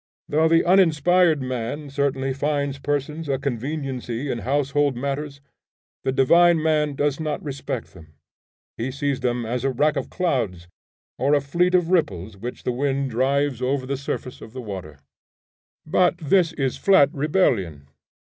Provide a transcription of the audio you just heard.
Though the uninspired man certainly finds persons a conveniency in household matters, the divine man does not respect them; he sees them as a rack of clouds, or a fleet of ripples which the wind drives over the surface of the water. But this is flat rebellion.